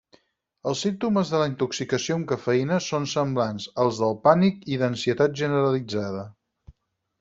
Els símptomes de la intoxicació amb cafeïna són semblants als del pànic i d'ansietat generalitzada.